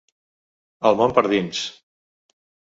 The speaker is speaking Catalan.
El món per dins.